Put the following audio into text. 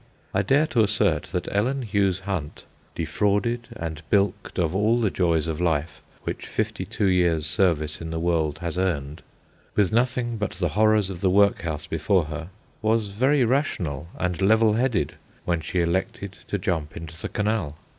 I dare to assert that Ellen Hughes Hunt, defrauded and bilked of all the joys of life which fifty two years' service in the world has earned, with nothing but the horrors of the workhouse before her, was very rational and level headed when she elected to jump into the canal.